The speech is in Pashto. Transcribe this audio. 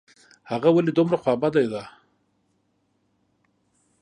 هغه ولي دومره خوابدې ده ؟